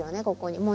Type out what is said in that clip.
ここに。